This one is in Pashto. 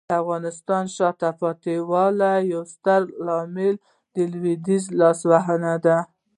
د افغانستان د شاته پاتې والي یو ستر عامل لویدیځي لاسوهنې دي.